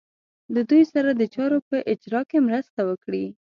له دوی سره د چارو په اجرا کې مرسته وکړي.